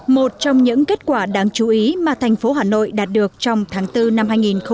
một trong những kết quả đáng chú ý mà thành phố hà nội đạt được trong tháng bốn năm hai nghìn hai mươi